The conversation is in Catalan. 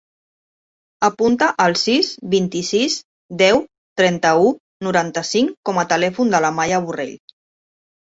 Apunta el sis, vint-i-sis, deu, trenta-u, noranta-cinc com a telèfon de la Maya Borrell.